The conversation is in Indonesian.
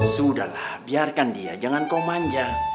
sudahlah biarkan dia jangan kau manja